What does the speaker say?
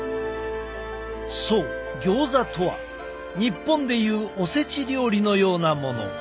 そうギョーザとは日本でいうおせち料理のようなもの。